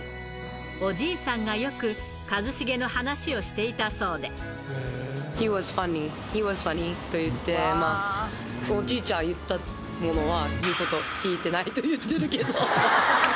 おじいさんがよく、一茂の話をしおじいちゃん、言ったものは言うこと聞いてないと言ってるけど。